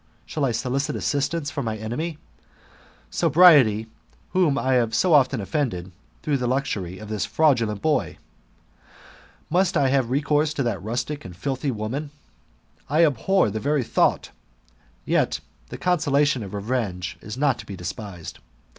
Shall I solicit assistance of my enemy Sobriety, whom I have so often offended through the luxury of this fraudulent boy ? Must I have recourse to that rustic and filthy woman ? I abhor the very thought ; yet the consolation of revenge is not to be despised.